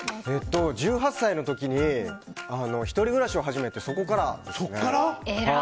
１８歳の時に１人暮らしを始めてそこからですね。